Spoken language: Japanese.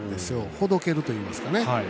ほどけるといいますかね。